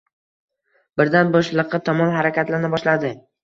Birdan bo’shliqqa tomon harakatlana boshladi.